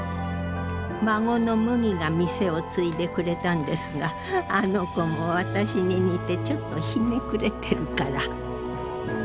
孫の麦が店を継いでくれたんですがあの子も私に似てちょっとひねくれてるから。